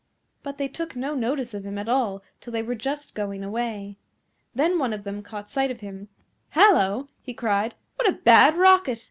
But they took no notice of him at all till they were just going away. Then one of them caught sight of him. "Hallo!" he cried, "what a bad rocket!"